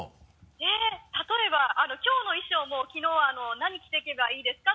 えっ例えばきょうの衣装もきのう「何着ていけばいいですか？」